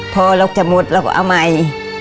พอเราจะหมดเราก็เอาใหม่